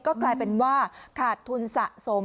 ก็กลายเป็นว่าขาดทุนสะสม